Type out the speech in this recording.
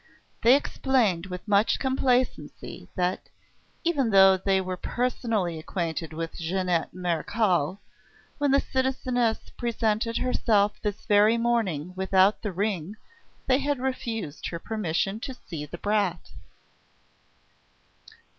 They explained with much complacency that, even though they were personally acquainted with Jeannette Marechal, when the citizeness presented herself this very morning without the ring they had refused her permission to see the brat.